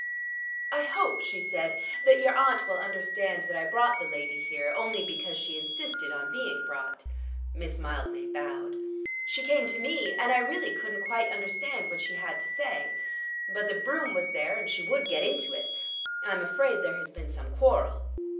"I hope," she said, "that your aunt will understand that I brought the lady here only because she insisted on being brought." Miss Mildmay bowed. "She came to me, and I really couldn't quite understand what she had to say. But the brougham was there, and she would get into it. I am afraid there has been some quarrel."